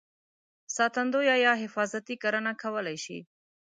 ساتندویه یا حفاظتي کرنه کولای شي.